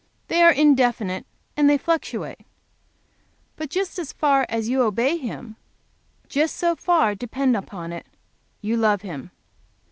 They are indefinite and they fluctuate. But just as far as you obey Him, just so far, depend upon it, you love Him.